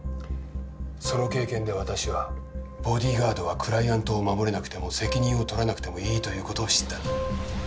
その経験で私はボディーガードはクライアントを護れなくても責任を取らなくてもいいという事を知ったんだ。